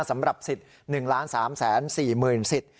สำหรับสิทธิ์๑๓๔๐๐๐สิทธิ์